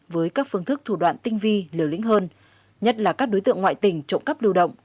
với các phương thức thủ đoạn tinh vi liều lĩnh hơn nhất là các đối tượng ngoại tình trộm cắp lưu động